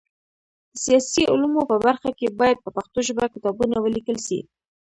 د سیاسي علومو په برخه کي باید په پښتو ژبه کتابونه ولیکل سي.